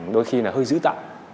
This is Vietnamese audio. đôi khi là hơi dữ tạo